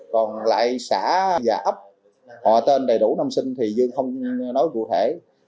còn lại xã và ấp họ tên đầy đủ năm sinh thì dương không nói cụ thể